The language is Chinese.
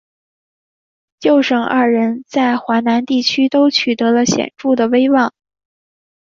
舅甥二人在淮南地区都取得了显着的威望。